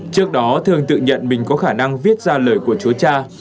trước đó thương tự nhận mình có khả năng viết ra lời của chú cha